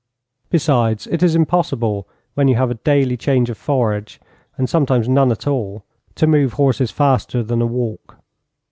Besides, it is impossible, when you have a daily change of forage, and sometimes none at all, to move horses faster than a walk.